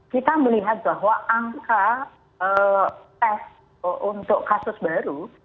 kita melihat bahwa angka tes untuk kasus baru